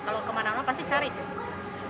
kalau kemana mana pasti cari sih